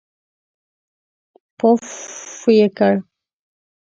پووووووفففف یې کړ.